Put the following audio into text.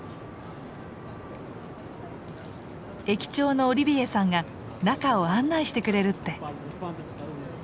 駅長のオリビエさんが中を案内してくれるって。